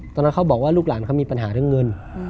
เขาบอกว่าลูกหลานเขามีปัญหาเรื่องเงิน